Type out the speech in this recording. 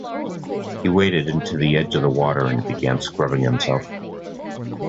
He waded into the edge of the water and began scrubbing himself.